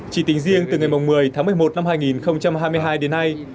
chỉ tính riêng từ ngày một mươi tháng một mươi một năm hai nghìn hai mươi hai đến nay